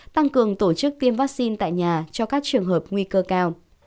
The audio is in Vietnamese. tăng cường tổ chức tiêm vaccine tại nhà cho các trường hợp nguy cơ cao